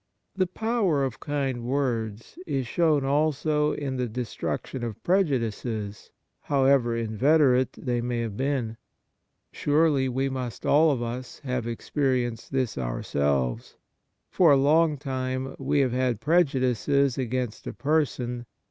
The power of kind words is shown also in the de struction of prejudices, however inveterate they may have been. Surely we must all of us have experienced this ourselves. For a long time we have had prejudices against a person.